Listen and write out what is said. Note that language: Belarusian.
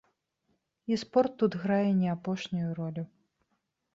І спорт тут грае не апошнюю ролю.